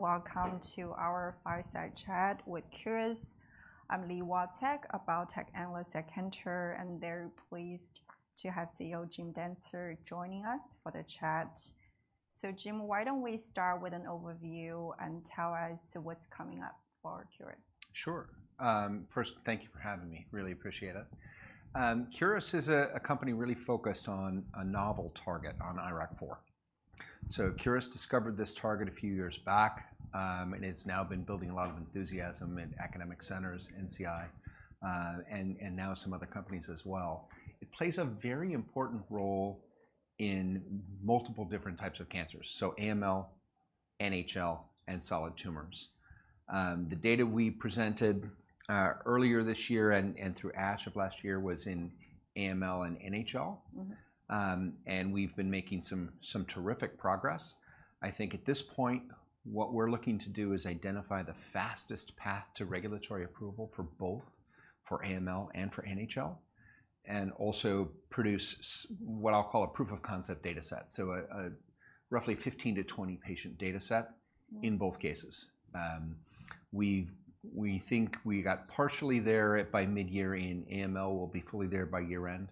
Welcome to our Fireside Chat with Curis. I'm Li Watsek, a biotech analyst at Cantor, and very pleased to have CEO Jim Dentzer joining us for the chat. So Jim, why don't we start with an overview, and tell us what's coming up for Curis? Sure. First, thank you for having me, really appreciate it. Curis is a company really focused on a novel target on IRAK4. So Curis discovered this target a few years back, and it's now been building a lot of enthusiasm in academic centers, NCI, and now some other companies as well. It plays a very important role in multiple different types of cancers, so AML, NHL, and solid tumors. The data we presented earlier this year and through ASH of last year was in AML and NHL. Mm-hmm. We've been making some terrific progress. I think at this point, what we're looking to do is identify the fastest path to regulatory approval for both for AML and for NHL, and also produce what I'll call a proof of concept data set, so a roughly 15-20 patient data set- Mm... in both cases. We think we got partially there by midyear in AML. We'll be fully there by year-end,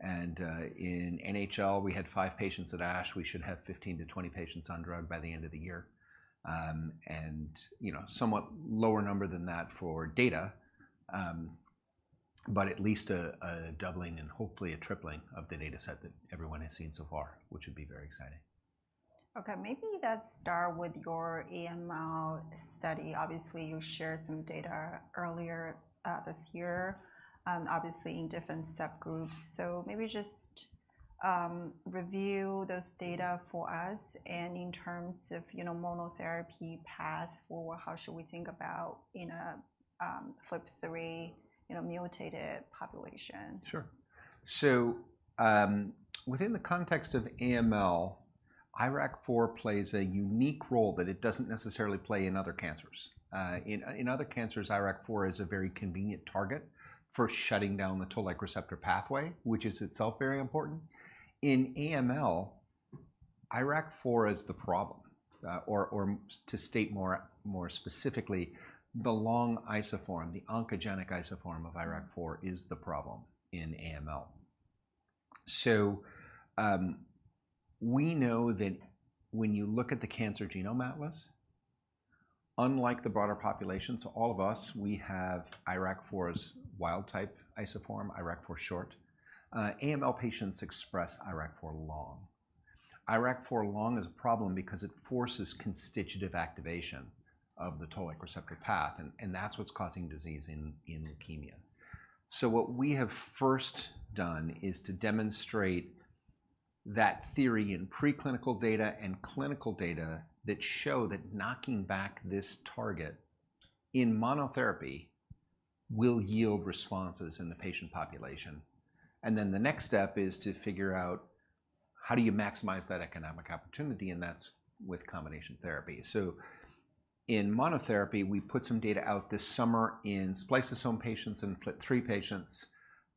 and in NHL, we had five patients at ASH. We should have 15 to 20 patients on drug by the end of the year, and you know, somewhat lower number than that for data, but at least a doubling and hopefully a tripling of the data set that everyone has seen so far, which would be very exciting. Okay, maybe let's start with your AML study. Obviously, you shared some data earlier, this year, obviously in different subgroups. So maybe just review those data for us, and in terms of, you know, monotherapy path or how should we think about in a, FLT3, you know, mutated population? Sure. So, within the context of AML, IRAK4 plays a unique role that it doesn't necessarily play in other cancers. In other cancers, IRAK4 is a very convenient target for shutting down the Toll-like receptor pathway, which is itself very important. In AML, IRAK4 is the problem, or to state more specifically, the long isoform, the oncogenic isoform of IRAK4 is the problem in AML. So, we know that when you look at the Cancer Genome Atlas, unlike the broader population, so all of us, we have IRAK4's wild type isoform, IRAK4 short. AML patients express IRAK4 long. IRAK4 long is a problem because it forces constitutive activation of the Toll-like receptor path, and that's what's causing disease in leukemia. So what we have first done is to demonstrate that theory in preclinical data and clinical data that show that knocking back this target in monotherapy will yield responses in the patient population. And then the next step is to figure out how do you maximize that economic opportunity, and that's with combination therapy. So in monotherapy, we put some data out this summer in spliceosome patients and FLT3 patients.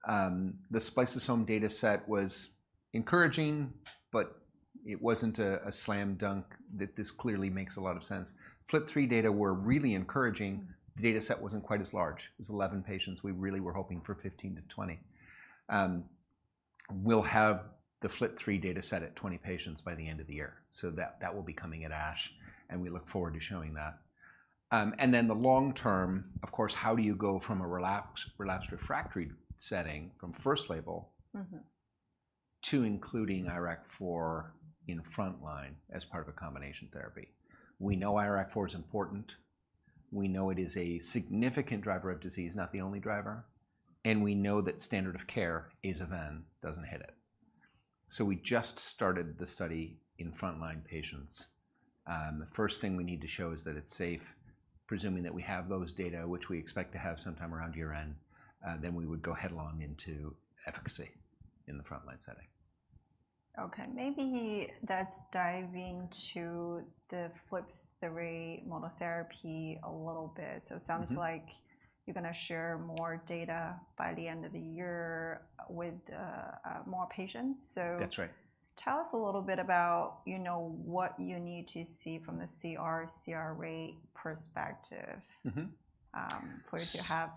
The spliceosome data set was encouraging, but it wasn't a slam dunk that this clearly makes a lot of sense. FLT3 data were really encouraging. The data set wasn't quite as large. It was 11 patients. We really were hoping for 15-20. We'll have the FLT3 data set at 20 patients by the end of the year, so that will be coming at ASH, and we look forward to showing that. And then the long term, of course, how do you go from a relapsed refractory setting from first label- Mm-hmm... to including IRAK4 in frontline as part of a combination therapy? We know IRAK4 is important. We know it is a significant driver of disease, not the only driver, and we know that standard of care, Aza/Ven, doesn't hit it. So we just started the study in frontline patients. The first thing we need to show is that it's safe, presuming that we have those data, which we expect to have sometime around year-end. Then we would go headlong into efficacy in the frontline setting. Okay, maybe let's dive into the FLT3 monotherapy a little bit. Mm-hmm. So it sounds like you're gonna share more data by the end of the year with more patients, so- That's right... tell us a little bit about, you know, what you need to see from the CR/CR rate perspective? Mm-hmm... for you to have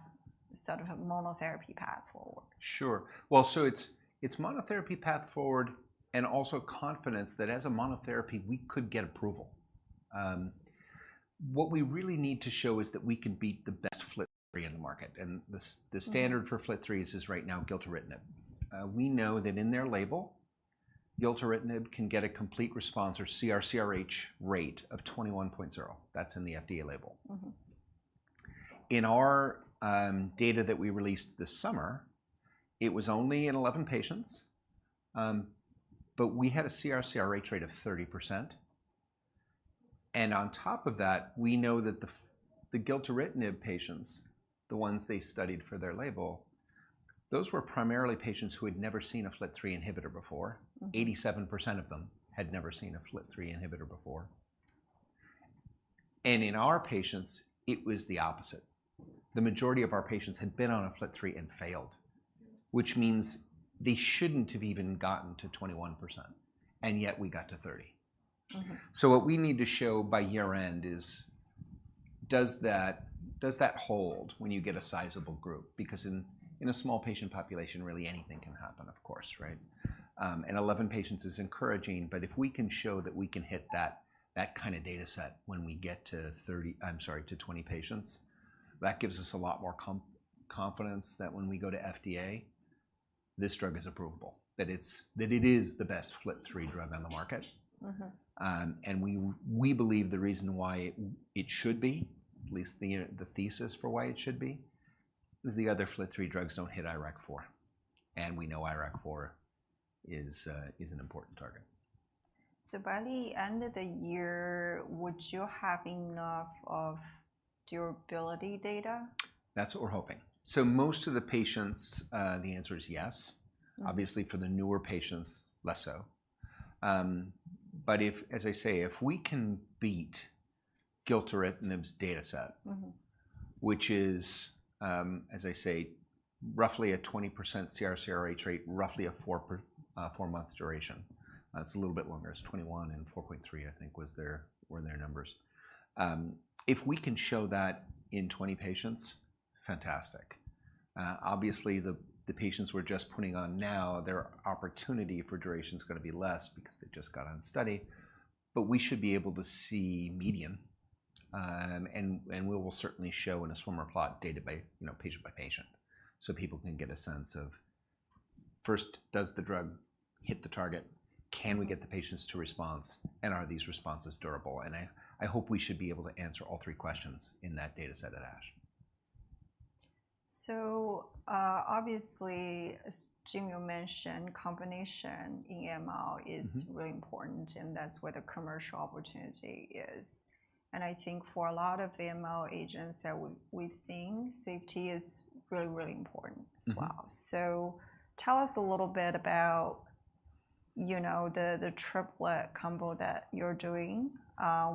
sort of a monotherapy path forward. Sure. Well, so it's monotherapy path forward and also confidence that as a monotherapy, we could get approval. What we really need to show is that we can beat the best FLT3 in the market, and the s- Mm... the standard for FLT3 is right now gilteritinib. We know that in their label, gilteritinib can get a complete response or CR/CRh rate of 21.0%. That's in the FDA label. Mm-hmm. In our data that we released this summer, it was only in 11 patients, but we had a CR/CR rate of 30%, and on top of that, we know that the gilteritinib patients, the ones they studied for their label, those were primarily patients who had never seen a FLT3 inhibitor before. Mm. 87% of them had never seen a FLT3 inhibitor before. And in our patients, it was the opposite. The majority of our patients had been on a FLT3 and failed, which means they shouldn't have even gotten to 21%, and yet we got to 30. Mm-hmm. So what we need to show by year-end is, does that, does that hold when you get a sizable group? Because in a small patient population, really anything can happen, of course, right? And 11 patients is encouraging, but if we can show that we can hit that, that kind of data set when we get to 30... I'm sorry, to 20 patients, that gives us a lot more confidence that when we go to FDA, this drug is approvable, that it is the best FLT3 drug on the market. Mm-hmm. And we believe the reason why it should be, at least the thesis for why it should be, is the other FLT3 drugs don't hit IRAK4, and we know IRAK4 is an important target. By the end of the year, would you have enough of durability data? That's what we're hoping. So most of the patients, the answer is yes. Mm. Obviously, for the newer patients, less so. But if... As I say, if we can beat gilteritinib's data set- Mm-hmm... which is, as I say, roughly a 20% CRh rate, roughly a four-month duration. It's a little bit longer. It's 21 and 4.3, I think, were their numbers. If we can show that in 20 patients, fantastic. Obviously, the patients we're just putting on now, their opportunity for duration's gonna be less because they've just got on study, but we should be able to see median. And we will certainly show in a swimmer plot data by, you know, patient by patient, so people can get a sense of, first, does the drug hit the target? Can we get the patients to response, and are these responses durable? And I hope we should be able to answer all three questions in that data set at ASH. So, obviously, as Jim, you mentioned, combination EML- Mm-hmm... is really important, and that's where the commercial opportunity is, and I think for a lot of AML agents that we, we've seen, safety is really, really important as well. Mm-hmm. So tell us a little bit about, you know, the triplet combo that you're doing.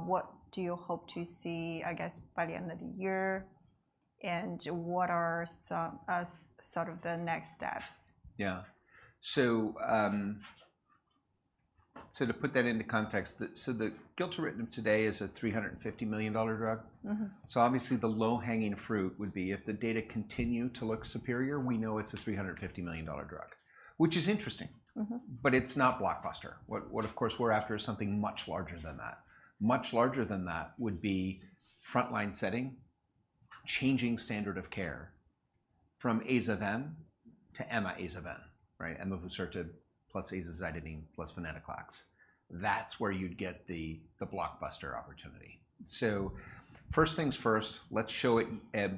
What do you hope to see, I guess, by the end of the year, and what are some sort of the next steps? Yeah. So, to put that into context, the... So the gilteritinib today is a $350 million drug. Mm-hmm. So obviously, the low-hanging fruit would be if the data continue to look superior. We know it's a $350 million drug, which is interesting. Mm-hmm... but it's not blockbuster. What of course we're after is something much larger than that. Much larger than that would be front-line setting, changing standard of care from AzaVen to Emma AzaVen, right? Emavusertib plus azacitidine plus venetoclax. That's where you'd get the blockbuster opportunity. So first things first, let's show it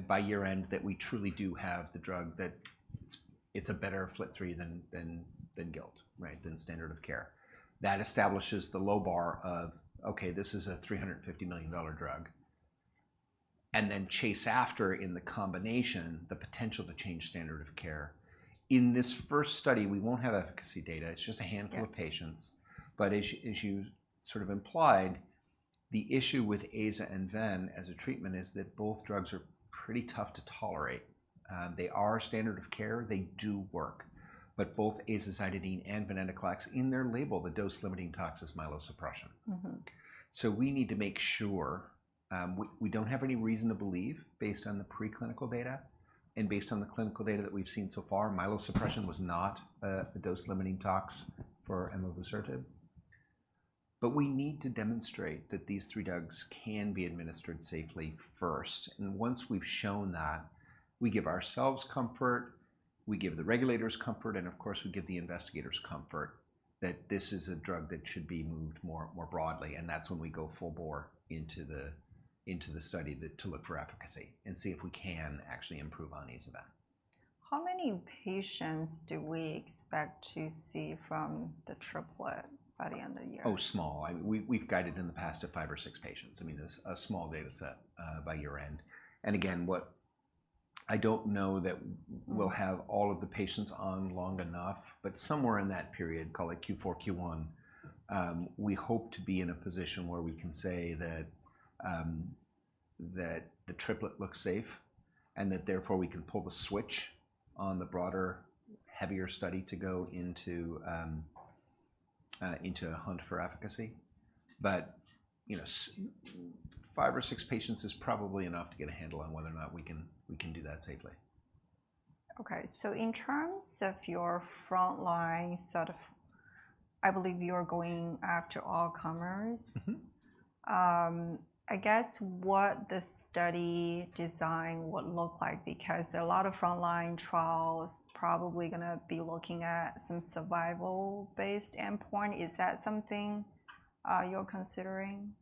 by year-end that we truly do have the drug that it's a better FLT3 than Gilt, right? Than standard of care. That establishes the low bar of, "Okay, this is a $350 million drug," and then chase after in the combination the potential to change standard of care. In this first study, we won't have efficacy data. It's just a handful- Yeah... of patients, but as you sort of implied, the issue with Aza and Ven as a treatment is that both drugs are pretty tough to tolerate. They are standard of care. They do work, but both Azacitidine and venetoclax, in their label, the dose-limiting tox is myelosuppression. Mm-hmm. We need to make sure we don't have any reason to believe, based on the preclinical data and based on the clinical data that we've seen so far, myelosuppression was not a dose-limiting tox for emavusertib, but we need to demonstrate that these three drugs can be administered safely first, and once we've shown that, we give ourselves comfort, we give the regulators comfort, and of course, we give the investigators comfort that this is a drug that should be moved more broadly, and that's when we go full bore into the study to look for efficacy and see if we can actually improve on AzaVen. How many patients do we expect to see from the triplet by the end of the year? Oh, small. We've guided in the past to five or six patients. I mean, there's a small data set by year-end, and again, I don't know that we'll have all of the patients on long enough, but somewhere in that period, call it Q4, Q1, we hope to be in a position where we can say that the triplet looks safe, and that therefore we can pull the switch on the broader, heavier study to go into a hunt for efficacy. You know, five or six patients is probably enough to get a handle on whether or not we can do that safely. Okay, so in terms of your front line, sort of, I believe you're going after all comers? Mm-hmm. I guess, what the study design would look like because a lot of front-line trials probably gonna be looking at some survival-based endpoint. Is that something, you're considering?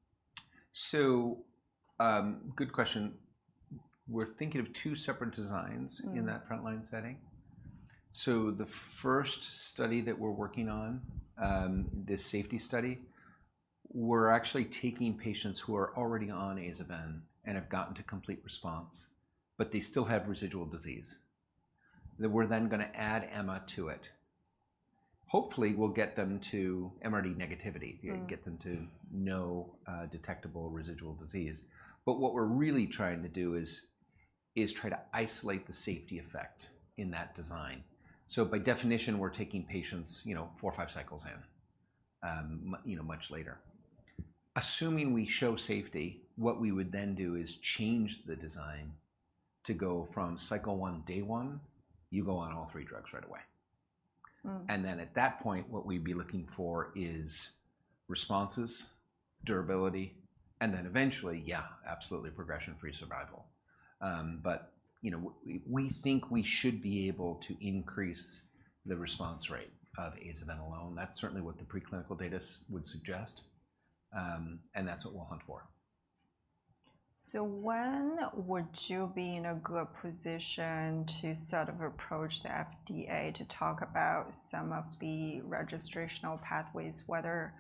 Good question. We're thinking of two separate designs- Mm... in that front-line setting, so the first study that we're working on, this safety study, we're actually taking patients who are already on AzaVen and have gotten to complete response, but they still have residual disease, that we're then gonna add Emma to it.... hopefully we'll get them to MRD negativity- Mm. And get them to no detectable residual disease. But what we're really trying to do is try to isolate the safety effect in that design. So by definition, we're taking patients, you know, four or five cycles in, you know, much later. Assuming we show safety, what we would then do is change the design to go from cycle one, day one, you go on all three drugs right away. Mm. And then at that point, what we'd be looking for is responses, durability, and then eventually, yeah, absolutely progression-free survival. But, you know, we think we should be able to increase the response rate of Aza and Ven alone. That's certainly what the preclinical data would suggest, and that's what we'll hunt for. When would you be in a good position to sort of approach the FDA to talk about some of the registrational pathways, whether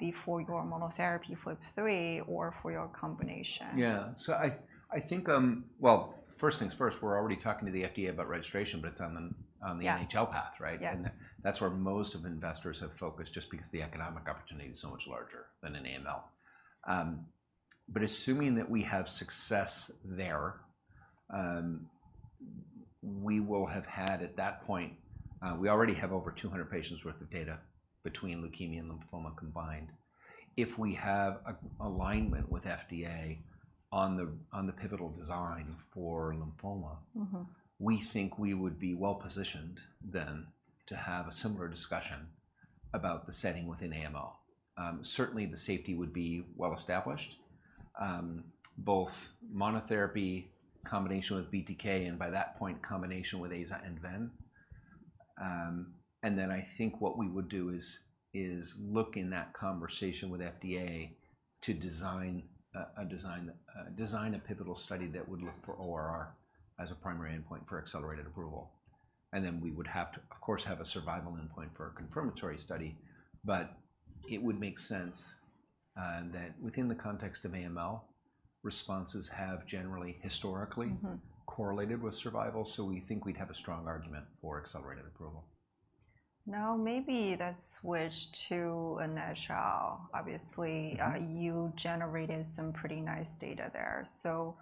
before your monotherapy FLT3 or for your combination? Yeah. So I think. Well, first things first, we're already talking to the FDA about registration, but it's on the- on the- Yeah... NHL path, right? Yes. And that's where most of investors have focused just because the economic opportunity is so much larger than in AML. But assuming that we have success there, we will have had at that point... We already have over 200 patients worth of data between leukemia and lymphoma combined. If we have an alignment with FDA on the pivotal design for lymphoma- Mm-hmm... we think we would be well-positioned then to have a similar discussion about the setting within AML. Certainly the safety would be well-established. Both monotherapy combination with BTK, and by that point, combination with aza and ven. And then I think what we would do is look in that conversation with FDA to design a pivotal study that would look for ORR as a primary endpoint for accelerated approval. And then we would have to, of course, have a survival endpoint for a confirmatory study, but it would make sense that within the context of AML, responses have generally historically- Mm-hmm... correlated with survival, so we think we'd have a strong argument for accelerated approval. Now, maybe let's switch to NHL. Obviously- Mm-hmm... you generated some pretty nice data there. So,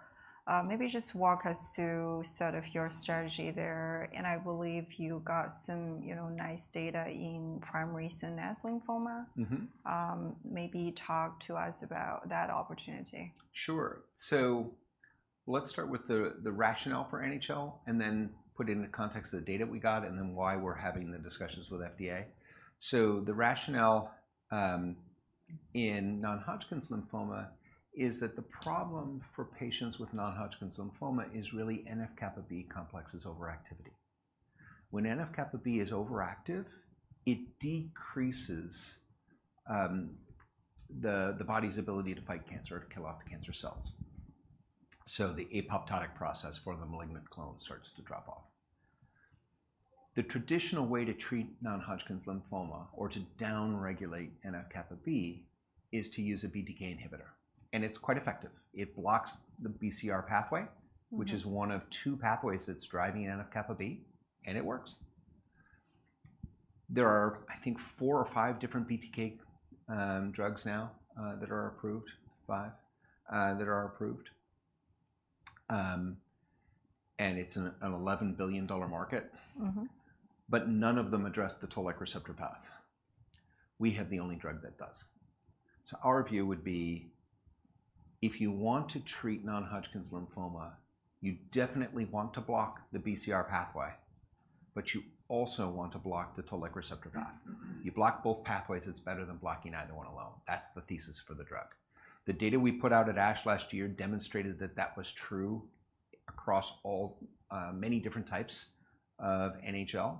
maybe just walk us through sort of your strategy there, and I believe you got some, you know, nice data in primary CNS lymphoma? Mm-hmm. Maybe talk to us about that opportunity. Sure. So let's start with the rationale for NHL, and then put it in the context of the data we got, and then why we're having the discussions with FDA. So the rationale in non-Hodgkin's lymphoma is that the problem for patients with non-Hodgkin's lymphoma is really NF-κB complexes overactivity. When NF-κB is overactive, it decreases the body's ability to fight cancer, to kill off the cancer cells. So the apoptotic process for the malignant clone starts to drop off. The traditional way to treat non-Hodgkin's lymphoma or to down-regulate NF-κB is to use a BTK inhibitor, and it's quite effective. It blocks the BCR pathway. Mm-hmm... which is one of two pathways that's driving NF-κB, and it works. There are, I think, four or five different BTK drugs now that are approved. Five that are approved. And it's an $11 billion market. Mm-hmm. But none of them address the toll-like receptor path. We have the only drug that does. So our view would be, if you want to treat non-Hodgkin's lymphoma, you definitely want to block the BCR pathway, but you also want to block the toll-like receptor path. Mm-hmm. You block both pathways, it's better than blocking either one alone. That's the thesis for the drug. The data we put out at ASH last year demonstrated that that was true across all, many different types of NHL.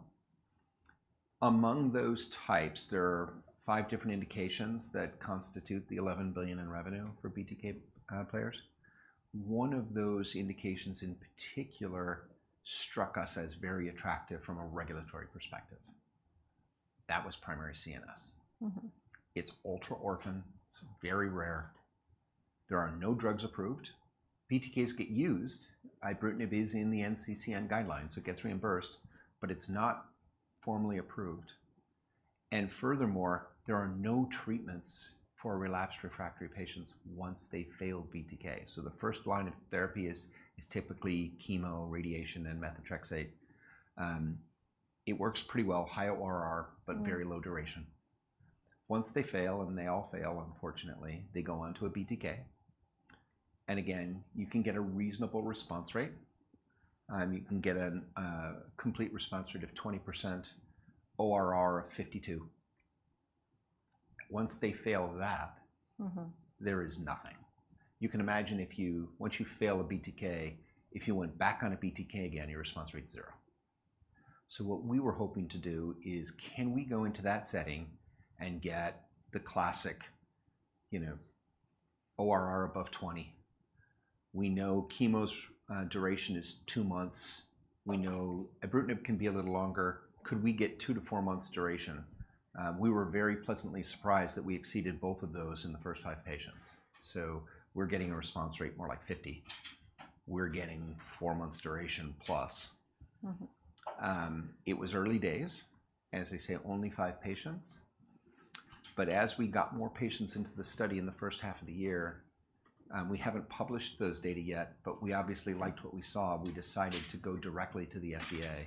Among those types, there are five different indications that constitute the $11 billion in revenue for BTK players. One of those indications in particular struck us as very attractive from a regulatory perspective. That was primary CNS. Mm-hmm. It's ultra-orphan, it's very rare. There are no drugs approved. BTKs get used, ibrutinib is in the NCCN guidelines, so it gets reimbursed, but it's not formally approved, and furthermore, there are no treatments for relapsed refractory patients once they fail BTK, so the first line of therapy is typically chemo, radiation, and methotrexate. It works pretty well, high ORR- Mm... but very low duration. Once they fail, and they all fail unfortunately, they go onto a BTK. And again, you can get a reasonable response rate. You can get a complete response rate of 20%, ORR of 52%. Once they fail that- Mm-hmm... there is nothing. You can imagine if you... Once you fail a BTK, if you went back on a BTK again, your response rate is zero. So what we were hoping to do is, can we go into that setting and get the classic, you know, ORR above 20? We know chemo's duration is two months. Mm. We know ibrutinib can be a little longer. Could we get two to four months duration? We were very pleasantly surprised that we exceeded both of those in the first five patients. So we're getting a response rate more like 50%. We're getting four months duration plus. Mm-hmm. It was early days, as I say, only five patients. But as we got more patients into the study in the first half of the year, we haven't published those data yet, but we obviously liked what we saw, and we decided to go directly to the FDA.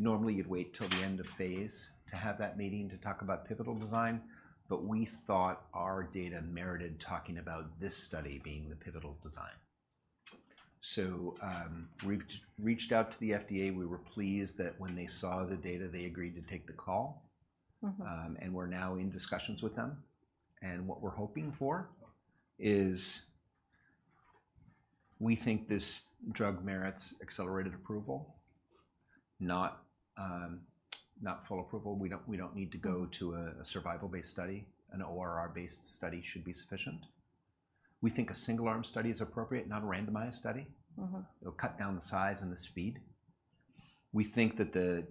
Normally, you'd wait till the end of phase to have that meeting to talk about pivotal design, but we thought our data merited talking about this study being the pivotal design. So, we've reached out to the FDA. We were pleased that when they saw the data, they agreed to take the call. Mm-hmm. And we're now in discussions with them, and what we're hoping for is we think this drug merits accelerated approval, not full approval. We don't need to go to a survival-based study. An ORR-based study should be sufficient. We think a single-arm study is appropriate, not a randomized study. Mm-hmm. It'll cut down the size and the speed. We think that the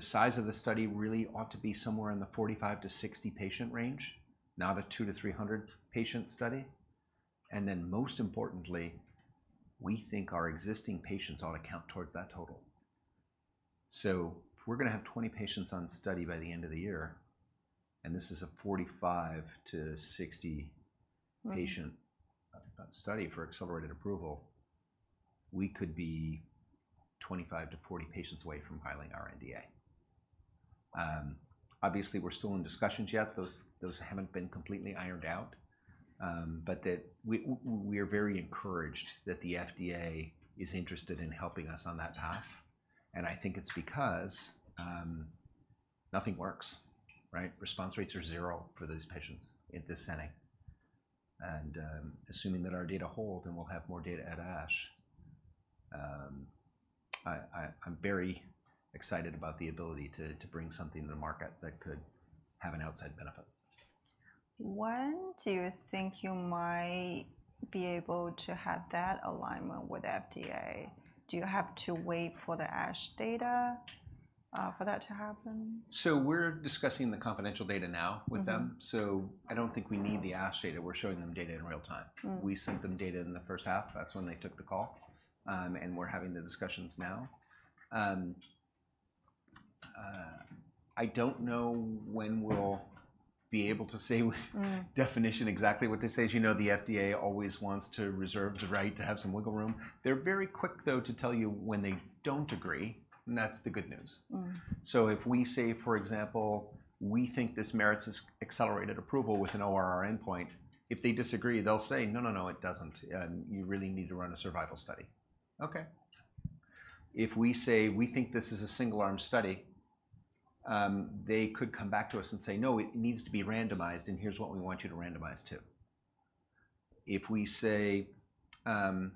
size of the study really ought to be somewhere in the 45-60 patient range, not a 2-300 patient study. And then most importantly, we think our existing patients ought to count towards that total. So if we're gonna have 20 patients on study by the end of the year, and this is a 45-60 patient- Right... study for accelerated approval, we could be 25 to 40 patients away from filing our NDA. Obviously, we're still in discussions yet. Those haven't been completely ironed out. But we are very encouraged that the FDA is interested in helping us on that path, and I think it's because, nothing works, right? Response rates are zero for those patients in this setting. And, assuming that our data hold, and we'll have more data at ASH, I'm very excited about the ability to bring something to the market that could have an outside benefit. When do you think you might be able to have that alignment with FDA? Do you have to wait for the ASH data, for that to happen? We're discussing the confidential data now with them. Mm-hmm. So I don't think we need the ASH data. We're showing them data in real time. Mm. We sent them data in the first half. That's when they took the call, and we're having the discussions now. I don't know when we'll be able to say with- Right... definition exactly what this is. You know, the FDA always wants to reserve the right to have some wiggle room. They're very quick, though, to tell you when they don't agree, and that's the good news. Mm. So if we say, for example, "We think this merits this accelerated approval with an ORR endpoint," if they disagree, they'll say, "No, no, no, it doesn't, and you really need to run a survival study." Okay. If we say, "We think this is a single-arm study," they could come back to us and say, "No, it needs to be randomized, and here's what we want you to randomize to." If we say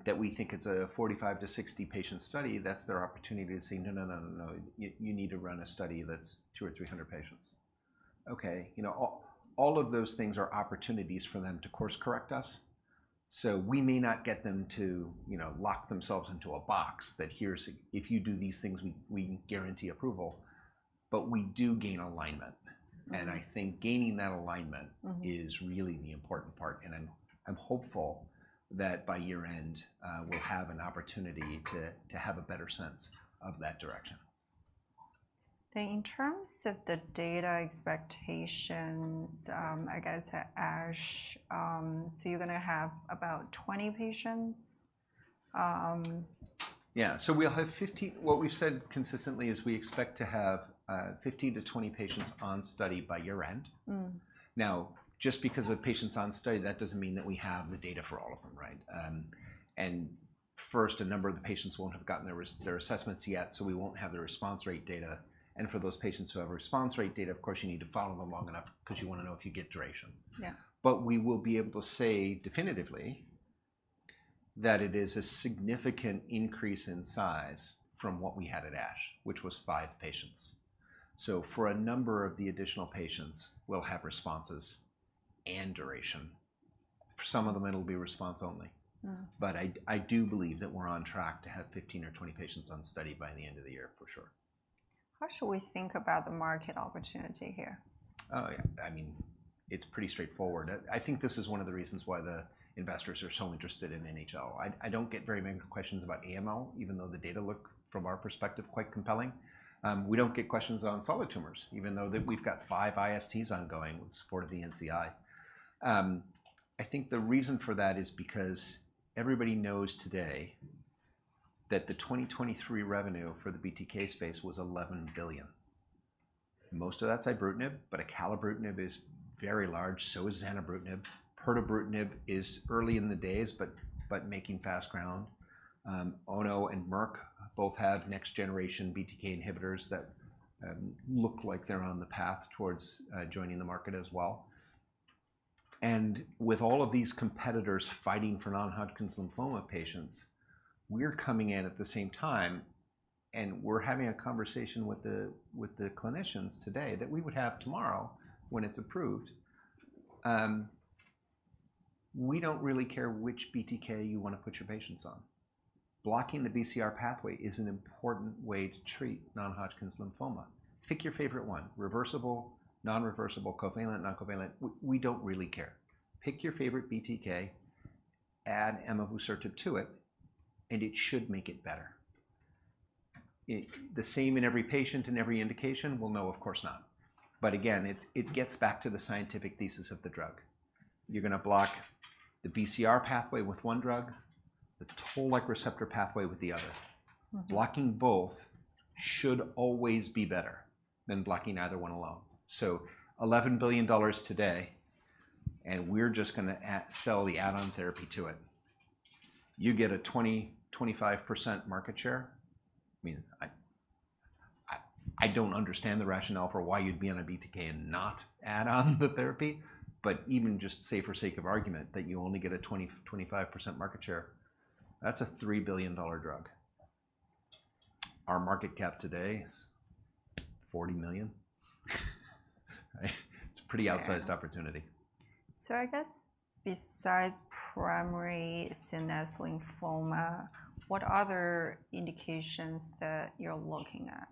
that we think it's a 45-60 patient study, that's their opportunity to say, "No, no, no, no, no. You, you need to run a study that's two or 300 patients." Okay, you know, all, all of those things are opportunities for them to course-correct us. So we may not get them to, you know, lock themselves into a box that, "Here's... If you do these things, we guarantee approval," but we do gain alignment. Mm. And I think gaining that alignment- Mm... is really the important part, and I'm hopeful that by year-end, we'll have an opportunity to have a better sense of that direction. In terms of the data expectations, I guess, at ASH, so you're gonna have about 20 patients. What we've said consistently is we expect to have 15 to 20 patients on study by year-end. Mm. Now, just because of patients on study, that doesn't mean that we have the data for all of them, right? First, a number of the patients won't have gotten their assessments yet, so we won't have the response rate data. And for those patients who have response rate data, of course, you need to follow them long enough 'cause you wanna know if you get duration. Yeah. But we will be able to say definitively that it is a significant increase in size from what we had at ASH, which was five patients. So for a number of the additional patients, we'll have responses and duration. For some of them, it'll be response only. Mm. But I, I do believe that we're on track to have 15 or 20 patients on study by the end of the year, for sure. How should we think about the market opportunity here? Oh, yeah, I mean, it's pretty straightforward. I, I think this is one of the reasons why the investors are so interested in NHL. I, I don't get very many questions about AML, even though the data look, from our perspective, quite compelling. We don't get questions on solid tumors, even though that we've got five ISTs ongoing with support of the NCI. I think the reason for that is because everybody knows today that the 2023 revenue for the BTK space was $11 billion. Most of that's ibrutinib, but acalabrutinib is very large, so is zanubrutinib. Pirtobrutinib is early in the days but making fast ground. Ono and Merck both have next generation BTK inhibitors that look like they're on the path towards joining the market as well. And with all of these competitors fighting for non-Hodgkin's lymphoma patients, we're coming in at the same time, and we're having a conversation with the clinicians today that we would have tomorrow when it's approved. We don't really care which BTK you wanna put your patients on. Blocking the BCR pathway is an important way to treat non-Hodgkin's lymphoma. Pick your favorite one, reversible, non-reversible, covalent, non-covalent. We don't really care. Pick your favorite BTK, add emavusertib to it, and it should make it better. Is it the same in every patient, in every indication? Well, no, of course not. But again, it gets back to the scientific thesis of the drug. You're gonna block the BCR pathway with one drug, the toll-like receptor pathway with the other. Mm-hmm. Blocking both should always be better than blocking either one alone. So $11 billion today, and we're just gonna sell the add-on therapy to it. You get a 20-25% market share, I mean, I don't understand the rationale for why you'd be on a BTK and not add on the therapy, but even just say for sake of argument, that you only get a 20-25% market share, that's a $3 billion drug. Our market cap today is $40 million. It's a pretty outsized- Yeah... opportunity. So I guess besides primary CNS lymphoma, what other indications that you're looking at?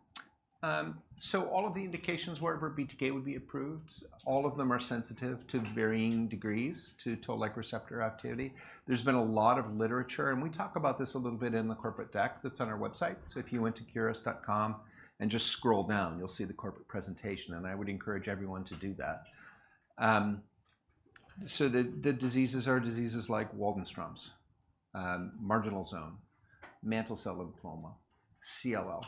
So all of the indications, wherever BTK would be approved, all of them are sensitive to varying degrees, to Toll-like receptor activity. There's been a lot of literature, and we talk about this a little bit in the corporate deck that's on our website. So if you went to curis.com and just scroll down, you'll see the corporate presentation, and I would encourage everyone to do that. So the diseases are diseases like Waldenstrom's, Marginal Zone, Mantle Cell Lymphoma, CLL,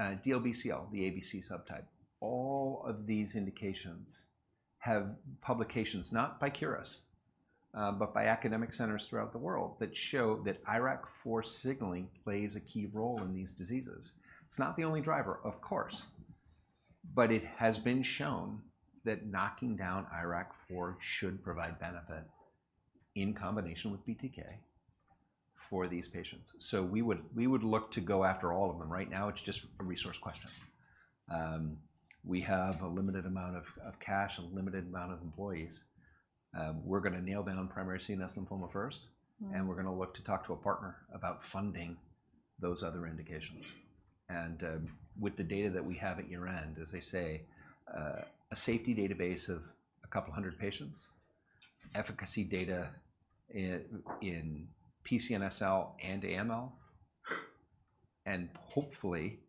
DLBCL, the ABC subtype. All of these indications have publications, not by Curis, but by academic centers throughout the world, that show that IRAK4 signaling plays a key role in these diseases. It's not the only driver, of course, but it has been shown that knocking down IRAK4 should provide benefit in combination with BTK for these patients. So we would look to go after all of them. Right now, it's just a resource question. We have a limited amount of cash, a limited amount of employees. We're gonna nail down primary CNS lymphoma first- Mm... and we're gonna look to talk to a partner about funding those other indications. And with the data that we have at year-end, as I say, a safety database of a couple hundred patients, efficacy data in PCNSL and AML, and hopefully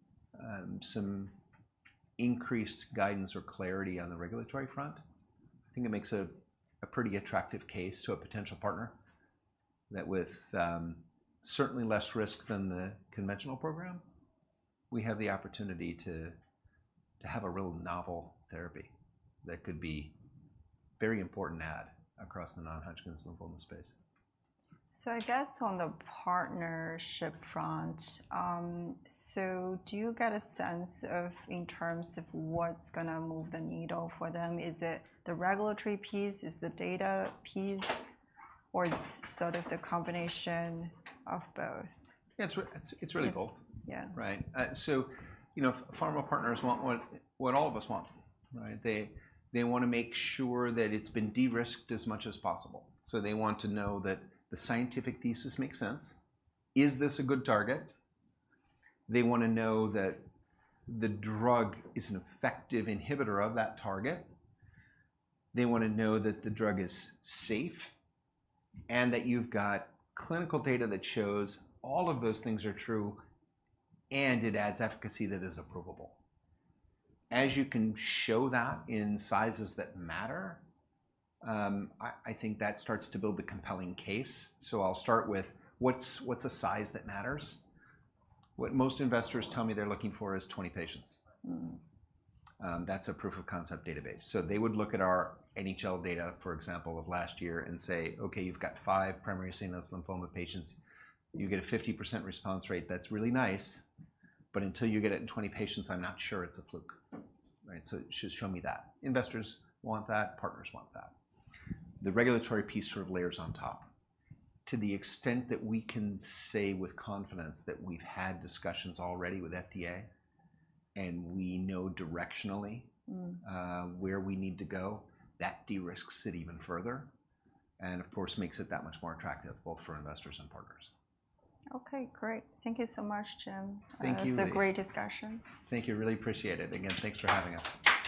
some increased guidance or clarity on the regulatory front, I think it makes a pretty attractive case to a potential partner. That with certainly less risk than the conventional program, we have the opportunity to have a real novel therapy that could be very important to add across the non-Hodgkin's lymphoma space. So I guess on the partnership front, so do you get a sense of, in terms of what's gonna move the needle for them? Is it the regulatory piece? Is the data piece, or it's sort of the combination of both? Yeah, it's really both. Yeah. Right? So, you know, pharma partners want what all of us want, right? They wanna make sure that it's been de-risked as much as possible, so they want to know that the scientific thesis makes sense. Is this a good target? They wanna know that the drug is an effective inhibitor of that target. They wanna know that the drug is safe, and that you've got clinical data that shows all of those things are true, and it adds efficacy that is approvable. As you can show that in sizes that matter, I think that starts to build the compelling case. So I'll start with, what's a size that matters? What most investors tell me they're looking for is 20 patients. Mm. That's a proof of concept database. So they would look at our NHL data, for example, of last year and say, "Okay, you've got five primary CNS lymphoma patients, and you get a 50% response rate. That's really nice, but until you get it in 20 patients, I'm not sure it's a fluke." Right? "So just show me that." Investors want that. Partners want that. The regulatory piece sort of layers on top. To the extent that we can say with confidence that we've had discussions already with FDA, and we know directionally- Mm... where we need to go, that de-risks it even further, and of course, makes it that much more attractive, both for investors and partners. Okay, great. Thank you so much, Jim. Thank you, Li. It was a great discussion. Thank you. Really appreciate it. Again, thanks for having us.